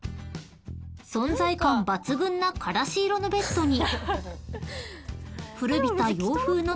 ［存在感抜群なからし色のベッドに古びた洋風の棚］